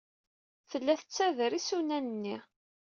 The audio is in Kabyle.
Tella la tettader isunan-nni.